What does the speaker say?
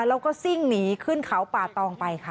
แล้วก็ซิ่งหนีขึ้นเขาป่าตองไปค่ะ